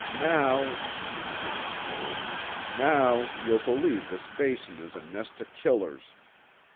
"Now," she began slowly, "now you'll believe this Basin is a nest o' killers."